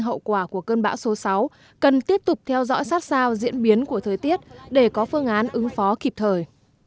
hậu quả của cơn bão số sáu cần tiếp tục theo dõi sát sao diễn biến của thời tiết để có phương án ứng phó kịp thời